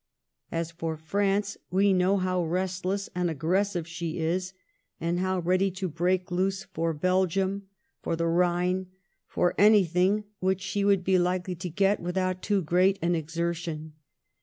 As to France, we know how restless and aggressive she is, and how ready to break loose for Belgium, for th» POLAND AND 8GHLE8WIG H0L8TEIN. 287 Hhinei for anything which she would be likely to get without too great an exertion.